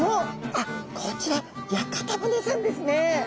あっこちら屋形船さんですね。